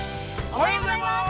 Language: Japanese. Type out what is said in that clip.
◆おはようございます。